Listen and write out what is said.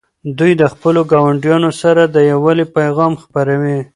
دوی د خپلو ګاونډیانو سره د یووالي پیغام خپروي.